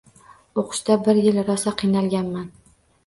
O’qishda bir yil rosa qiynalganman.